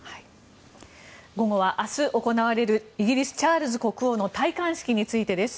午後は明日、行われるイギリス、チャールズ国王の戴冠式についてです。